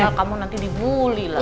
pak el kamu nanti dibully lah